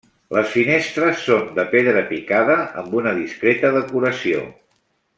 Les finestres són de pedra picada amb una discreta decoració.